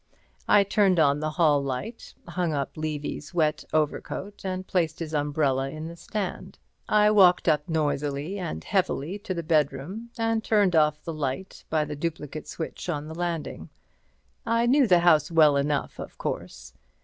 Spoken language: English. I turned on the hall light, hung up Levy's wet overcoat and placed his umbrella in the stand. I walked up noisily and heavily to the bedroom and turned off the light by the duplicate switch on the landing. I knew the house well enough, of course.